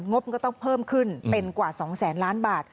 บก็ต้องเพิ่มขึ้นเป็นกว่า๒แสนล้านบาท